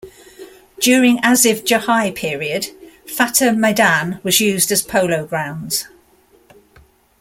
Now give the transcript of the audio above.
During Asif Jahi period, Fateh Maidan was used as Polo Grounds.